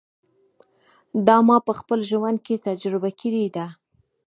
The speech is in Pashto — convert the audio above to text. دا ما په خپل ژوند کې تجربه کړې ده.